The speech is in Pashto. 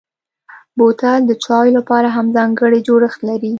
بوتل د چايو لپاره هم ځانګړی جوړښت لري.